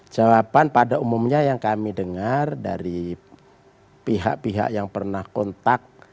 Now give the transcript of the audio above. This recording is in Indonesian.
jawaban pada umumnya yang kami dengar dari pihak pihak yang pernah kontak